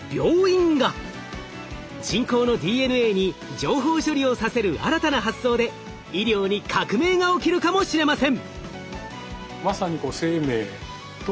人工のＤＮＡに情報処理をさせる新たな発想で医療に革命が起きるかもしれません。